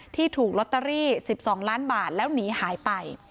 ที่ถูกลอตเตอรี่๑๒ล้านบาทแล้วหนีหายไป